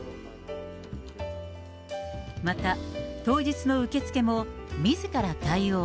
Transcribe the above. また当日の受け付けも、みずから対応。